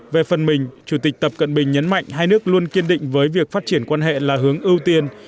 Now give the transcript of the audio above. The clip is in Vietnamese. về phần mình chủ tịch tập cận bình nhấn mạnh hai nước luôn kiên định với việc phát triển quan hệ là hướng ưu tiên